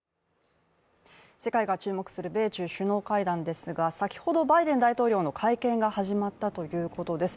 世界が注目する米中首脳会談ですが先ほどバイデン大統領の会見が始まったということです。